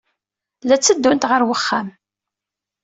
La tteddunt ɣer wexxam.